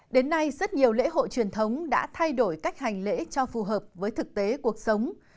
đến nay rất nhiều lễ hội truyền thống đã thay đổi cách hành lễ cho phù hợp với thực tế cuộc sống